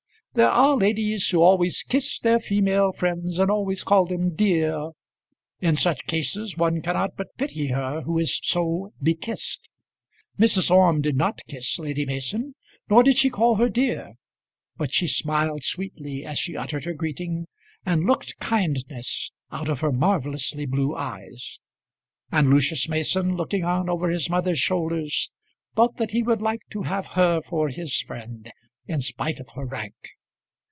There are ladies who always kiss their female friends, and always call them "dear." In such cases one cannot but pity her who is so bekissed. Mrs. Orme did not kiss Lady Mason, nor did she call her dear; but she smiled sweetly as she uttered her greeting, and looked kindness out of her marvellously blue eyes; and Lucius Mason, looking on over his mother's shoulders, thought that he would like to have her for his friend in spite of her rank.